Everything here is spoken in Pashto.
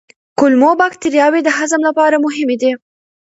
کولمو بکتریاوې د هضم لپاره مهمې دي.